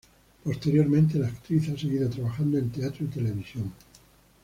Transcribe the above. Posteriormente la actriz ha seguido trabajando en teatro y televisión.